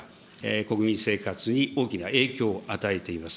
国民生活に大きな影響を与えています。